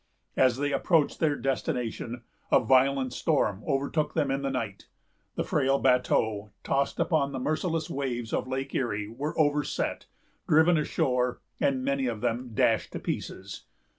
As they approached their destination, a violent storm overtook them in the night. The frail bateaux, tossing upon the merciless waves of Lake Erie, were overset, driven ashore, and many of them dashed to pieces.